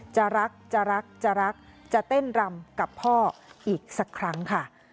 จะรักจะรักจะรักจะเต้นรำกับพ่ออีกสักครั้งค่ะ